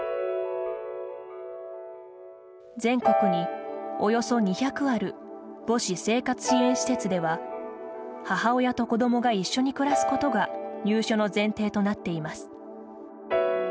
全国におよそ２００ある母子生活支援施設では母親と子どもが一緒に暮らすことが入所の前提となっています。